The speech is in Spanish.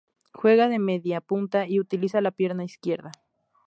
Juega de mediapunta y utiliza la pierna izquierda.